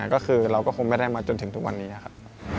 ก็คือเราก็คงไม่ได้มาจนถึงทุกวันนี้ครับ